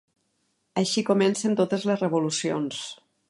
Així comencen totes les revolucions.